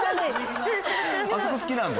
あそこ好きなんだ？